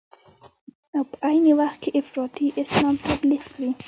او په عین وخت کې افراطي اسلام تبلیغ کړي.